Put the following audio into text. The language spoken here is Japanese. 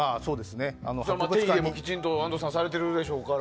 手入れもきちんと安藤さんがされているでしょうから。